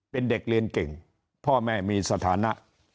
เป็นเด็กเรียนเก่งพ่อแม่มีสถานะ